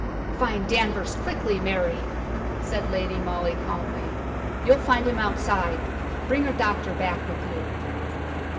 "Find Danvers quickly, Mary!" said Lady Molly, calmly. "You'll find him outside. Bring a doctor back with you."